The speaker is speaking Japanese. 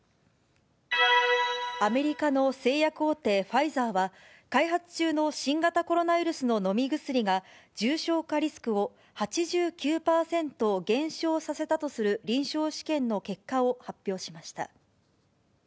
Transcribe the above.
アメリカの製薬大手ファイザーは、開発中の新型コロナウイルスの飲み薬が、重症化リスクを８９％減少させたとする臨床試験の結果を発表しました。